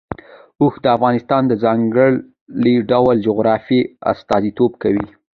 اوښ د افغانستان د ځانګړي ډول جغرافیه استازیتوب کوي.